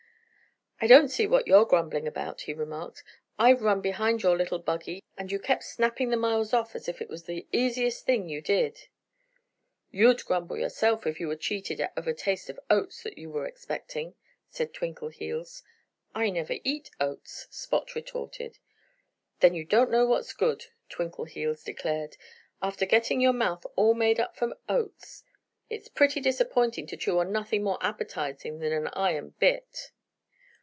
"I don't see what you're grumbling about," he remarked. "I've run behind your little buggy and you kept snapping the miles off as if it was the easiest thing you did." "You'd grumble yourself if you were cheated of a taste of oats that you were expecting," said Twinkleheels. "I never eat oats," Spot retorted. "Then you don't know what's good," Twinkleheels declared. "After getting your mouth all made up for oats, it's pretty disappointing to chew on nothing more appetizing than an iron bit."